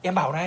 anh em bảo này